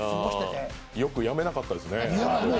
よく辞めなかったですね。